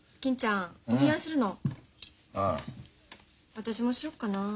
私もしよっかな。